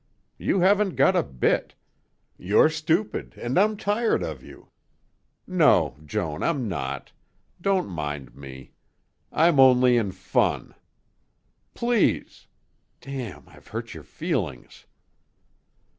You haven't got a bit. You're stupid and I'm tired of you No, Joan, I'm not. Don't mind me. I'm only in fun. Please! Damn! I've hurt your feelings."